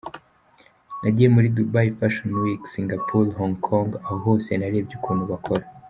Nagiye muri Dubai Fashion Week, Singapore, Hong Kong, aho hose narebye ukuntu bakora.